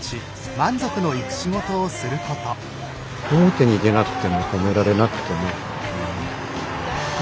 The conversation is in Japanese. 「表に出なくても、褒められなくても」っていう。